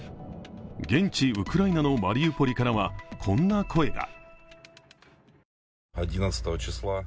現地ウクライナのマリウポリからは、こんな声が。